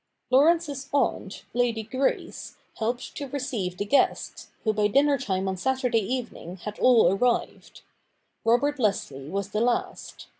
Laurence's aunt. Lady Grace, helped to receive the guests, who by dinner time on Saturday evening had all arrived. Robert Leslie was the last.